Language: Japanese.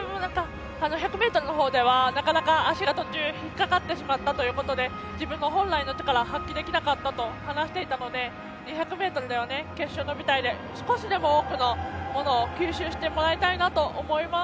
１００ｍではなかなか足が途中引っかかったということで自分の本来の力を発揮できなかったと話していたので２００ｍでは決勝の舞台で少しでも多くのものを吸収してもらいたいと思います。